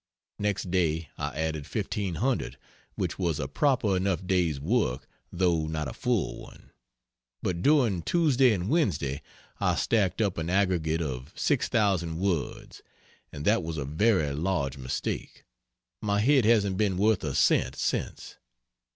Next day I added 1,500 which was a proper enough day's work though not a full one; but during Tuesday and Wednesday I stacked up an aggregate of 6,000 words and that was a very large mistake. My head hasn't been worth a cent since.